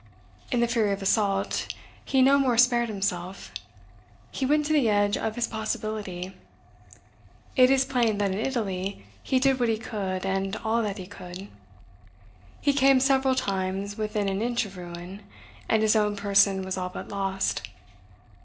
In the fury of assault, he no more spared himself. He went to the edge of his possibility. It is plain that in Italy he did what he could, and all that he could. He came, several times, within an inch of ruin; and his own person was all but lost.